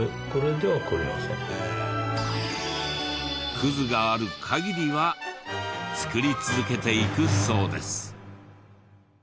クズがある限りは作り続けていくそうです。